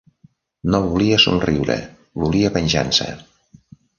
No volia somriure; volia venjança.